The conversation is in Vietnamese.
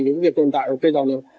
thì việc tồn tại của cây dầu này